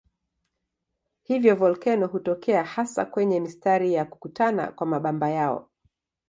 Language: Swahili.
Hivyo volkeno hutokea hasa kwenye mistari ya kukutana kwa mabamba hayo.